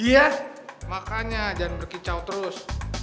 iya makanya jangan berkicau terus